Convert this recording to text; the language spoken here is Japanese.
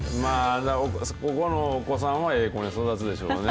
ここのお子さんはええ子に育つでしょうね。